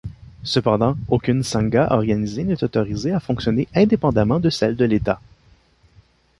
Cependant, aucune sangha organisée n'est autorisée à fonctionner indépendamment de celle de l'État.